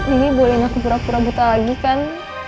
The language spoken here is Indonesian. ini boleh masuk pura pura buta lagi kan